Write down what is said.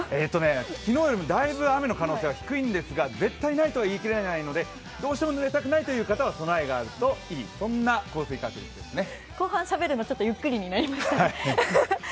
昨日よりもだいぶ雨の可能性は低いんですが絶対ないとは言い切れないのでどうしてもぬれたくないという方は備えがあるといい、そんな降水確率ですね。